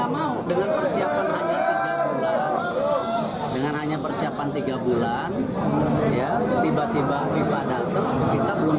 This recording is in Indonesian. mau dengan persiapan hanya tiga bulan dengan hanya persiapan tiga bulan ya tiba tiba viva datang kita belum